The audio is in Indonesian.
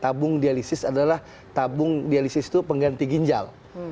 tabung dialisis adalah tabung dialisis itu pengganti ginjal